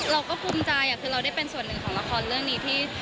เราก็ภูมิใจคือเราได้เป็นส่วนหนึ่งของละครเรื่องนี้ที่